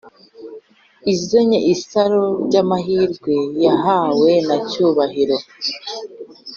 izanye isaro ryamahirwe yahawe na cyubahiro